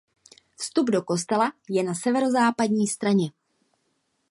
Vstup do kostela je na severozápadní straně.